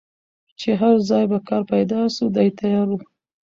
چي هر ځای به کار پیدا سو دی تیار وو